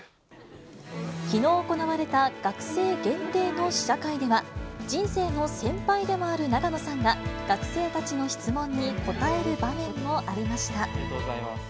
きのう行われた学生限定の試写会では、人生の先輩でもある永野さんが、学生たちの質問に答える場面もありました。